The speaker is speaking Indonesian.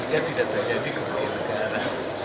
ya tidak terjadi kerugian negara